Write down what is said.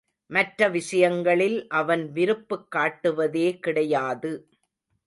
மற்ற விஷயங்களில் அவன் விருப்புக் காட்டுவதே கிடையாது.